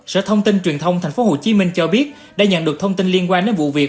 sở thông tin truyền thông tp hcm cho biết đã nhận được thông tin liên quan đến vụ việc